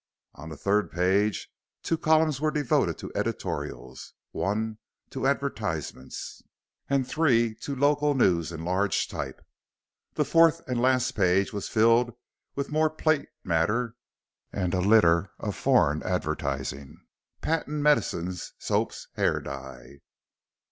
On the third page two columns were devoted to editorials, one to advertisements, and three to local news in large type. The fourth, and last page was filled with more plate matter and a litter of "foreign" advertising patent medicines, soaps, hair dye.